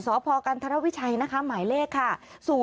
สพกันธรวิชัยนะคะหมายเลขค่ะ